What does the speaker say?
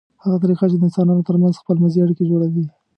هغه طریقه چې د انسانانو ترمنځ خپلمنځي اړیکې جوړوي